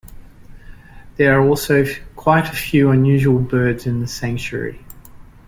There are also quite a few unusual birds in the sanctuary.